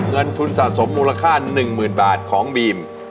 เงินทุนสะสมมูลค่า๑๐๐๐บาทของบีม